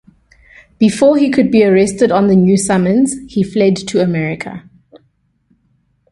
Before he could be arrested on the new summons, he fled to America.